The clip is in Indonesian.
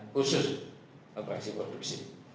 khusus operasi produksi